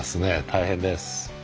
大変です。